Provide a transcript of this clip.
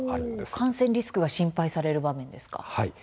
感染リスクが心配される場面ですか。